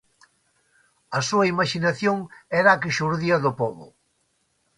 A súa imaxinación era a que xurdía do pobo.